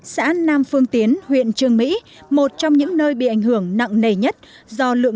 xã nam phương tiến huyện trương mỹ một trong những nơi bị ảnh hưởng nặng nề nhất do lượng